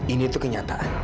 ini tuh kenyataan